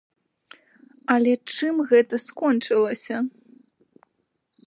Але чым гэта скончылася?